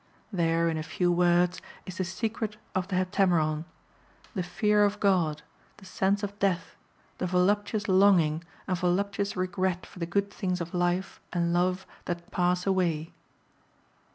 There, in a few words, is the secret of THE HEPTAMERON: the fear of God, the sense of death, the voluptuous longing and voluptuous regret for the good things of life and love that pass away.